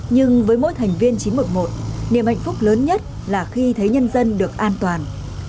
nhưng với mỗi thành viên chín trăm một mươi một niềm hạnh phúc lớn nhất là khi thấy nhân dân được an toàn